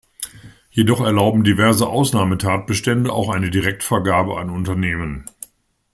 Jedoch erlauben diverse Ausnahmetatbestände auch eine Direktvergabe an Unternehmen.